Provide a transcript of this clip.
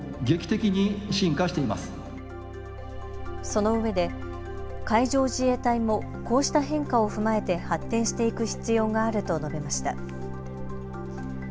そのうえで海上自衛隊もこうした変化を踏まえて発展していく必要があると述べました。